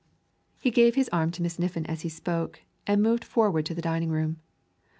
_] He gave his arm to Miss Niffin as he spoke, and moved forward to the dining room.